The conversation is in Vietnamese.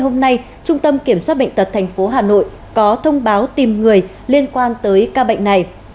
hôm nay trung tâm kiểm soát bệnh tật tp hà nội có thông báo tìm người liên quan tới ca bệnh này